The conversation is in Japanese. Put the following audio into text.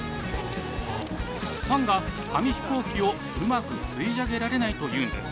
ファンが紙飛行機をうまく吸い上げられないというのです。